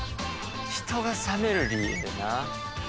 人が冷める理由な。